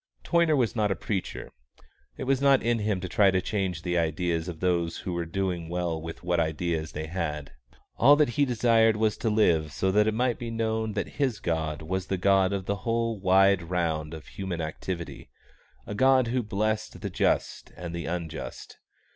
Toyner was not a preacher. It was not in him to try to change the ideas of those who were doing well with what ideas they had. All that he desired was to live so that it might be known that his God was the God of the whole wide round of human activity, a God who blessed the just and the unjust.